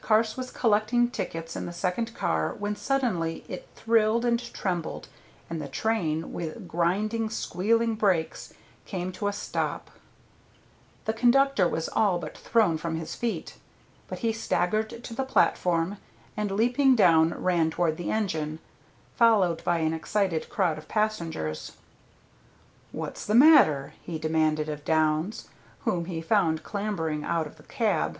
Carse was collecting tickets in the second car when suddenly it thrilled and trembled, and the train, with grinding squealing brakes, came to a stop. The conductor was all but thrown from his feet, but he staggered to the platform, and leaping down ran toward the engine, followed by an excited crowd of passengers. "What's the matter?" he demanded of Downs, whom he found clambering out of the cab.